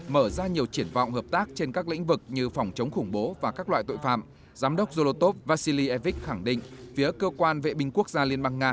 mở ra nhiều triển vọng hợp tác trên các lĩnh vực như phòng chống khủng bố và các loại tội phạm